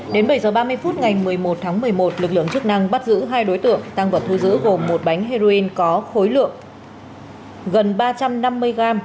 đến bảy h ba mươi phút ngày một mươi một tháng một mươi một lực lượng chức năng bắt giữ hai đối tượng tăng vật thu giữ gồm một bánh heroin có khối lượng gần ba trăm năm mươi gram